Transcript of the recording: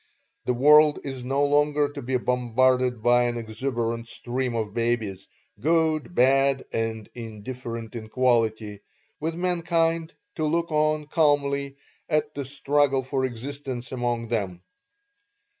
The world is no longer to be bombarded by an exuberant stream of babies, good, bad, and indifferent in quality, with mankind to look on calmly at the struggle for existence among them.